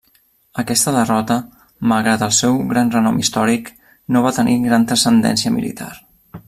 Aquesta derrota, malgrat el seu gran renom històric, no va tenir gran transcendència militar.